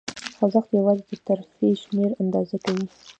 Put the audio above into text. خوځښت یواځې د ترفیع شمېر آندازه کوي.